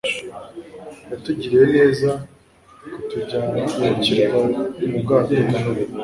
yatugiriye neza kutujyana ku kirwa mu bwato bwe